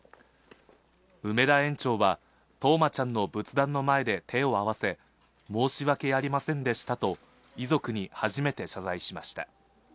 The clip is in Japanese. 梅田園長は、冬生ちゃんの仏壇の前で手を合わせ、申し訳ありませんでしたと、遺族に初めて謝罪しました。